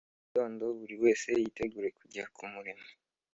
Mu gitondo buri wese yiteguraga kujya ku murimo,